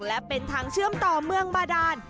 และเป็นทางเชื่อมต่อเมืองบาดาน